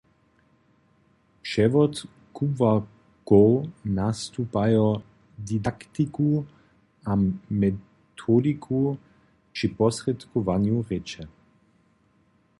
přewod kubłarkow nastupajo didaktiku a metodiku při posrědkowanju rěče